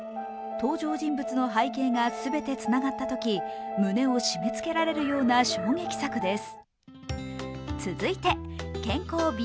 登場人物の背景が全てつながったとき、胸を締めつけられるような衝撃作です。